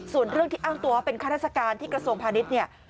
ส่วนเรื่องที่อ้างตัวว่าเป็นข้าราชการที่กระทรวงพาณิชย์เนี่ย